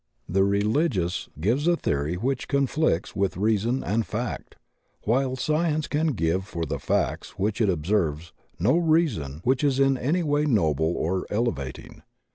The religious gives a theory which conflicts with reason and fact, while science can ^ve for the facts which it observes no reason which is in any way noble or ele vating.